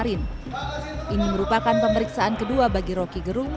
ini merupakan pemeriksaan kedua bagi roky gerung